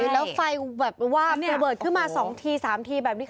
แล้วไฟแบบว่าเซอร์เบิร์ตขึ้นมา๒๓ทีแบบนี้